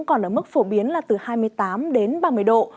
còn ở mức phổ biến là từ hai mươi tám đến ba mươi độ